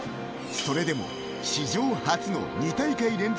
それでも史上初の２大会連続